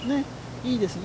いいですね。